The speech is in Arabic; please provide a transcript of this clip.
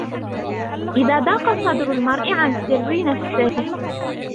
إِذا ضاقَ صَدرُ المَرءِ عَن سِرِّ نَفسِهِ